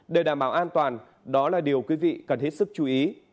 để đảm bảo an toàn đó là điều quý vị cần hết sức chú ý